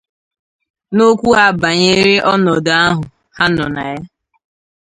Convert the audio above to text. N'okwu ha banyere ọnọdụ ahụ ha nọ na ya